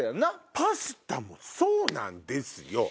パスタもそうなんですよ。